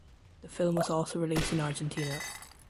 The film was also released in Argentina.